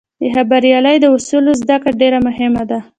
د خبریالۍ د اصولو زدهکړه ډېره مهمه ده.